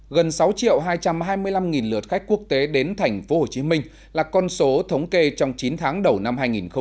gần sáu hai trăm hai mươi năm lượt khách quốc tế đến tp hcm là con số thống kê trong chín tháng đầu năm hai nghìn hai mươi